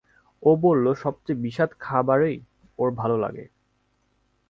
ও বলল, সবচেয়ে বিস্বাদ খাবারই ওর ভালো লাগে।